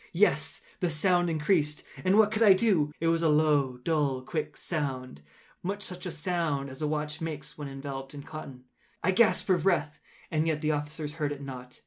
Yet the sound increased—and what could I do? It was a low, dull, quick sound—much such a sound as a watch makes when enveloped in cotton. I gasped for breath—and yet the officers heard it not.